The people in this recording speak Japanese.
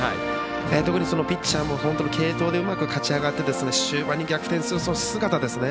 特にピッチャーも本当に継投でうまく勝ち上がって終盤に逆転する姿。